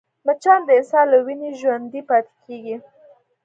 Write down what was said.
مچان د انسان له وینې ژوندی پاتې کېږي